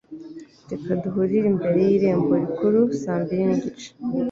Reka duhurire imbere y irembo rikuru saa mbiri nigice.